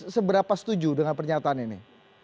seberapa setuju dengan pernyataan ini